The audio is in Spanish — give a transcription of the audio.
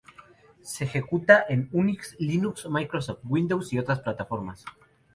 Se ejecuta en Unix, Linux, Microsoft Windows, y otras plataformas.